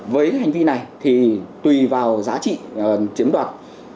với hành vi này thì tùy vào giá trị chiếm đoạt